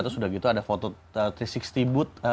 terus udah gitu ada foto tiga ratus enam puluh booth